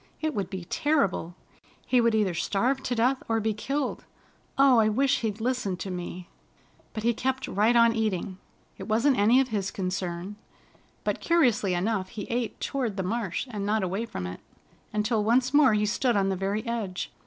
"It would be terrible! He would either starve to death or be killed. Oh, I wish he'd listened to me!" But he kept right on eating. It wasn't any of his concern. But curiously enough he ate toward the marsh, and not away from it, until once more he stood on the very edge.